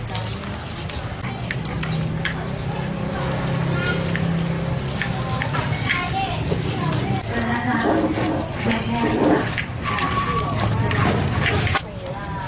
สีน้ำสุสิต